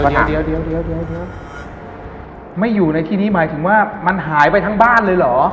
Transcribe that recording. เดี๋ยวเดี๋ยวไม่อยู่ในที่นี้หมายถึงว่ามันหายไปทั้งบ้านเลยเหรอ